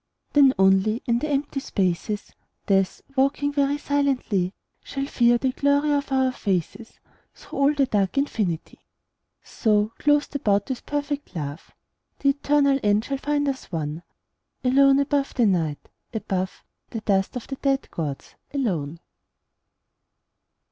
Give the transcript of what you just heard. Then only in the empty spaces, Death, walking very silently, Shall fear the glory of our faces Through all the dark infinity. So, clothed about with perfect love, The eternal end shall find us one, Alone above the Night, above The dust of the dead gods, alone.